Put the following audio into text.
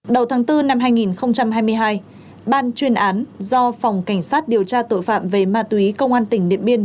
đầu tháng bốn năm hai nghìn hai mươi hai ban chuyên án do phòng cảnh sát điều tra tội phạm về ma túy công an tỉnh điện biên